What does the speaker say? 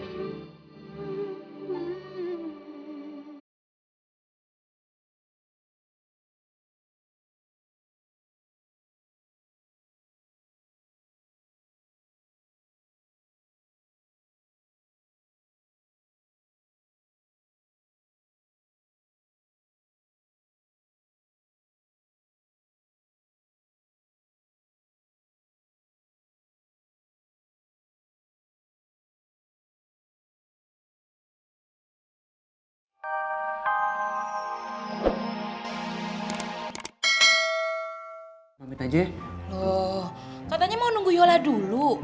loh katanya mau nunggu yola dulu